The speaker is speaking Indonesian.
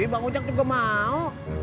bang ajak juga mau